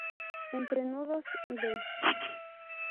Entrenudos, de.